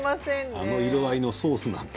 あの色合いのソースなんて。